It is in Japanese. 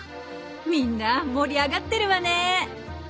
みんな盛り上がってるわね！